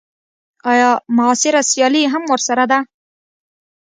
ایا معاصره سیالي هم ورسره ده.